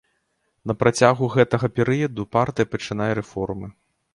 На працягу гэтага перыяду, партыя пачынае рэформы.